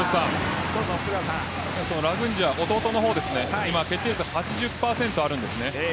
ラグンジヤ弟の方ですが今、決定率８０％あるんです。